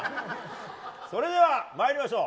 それでは参りましょう。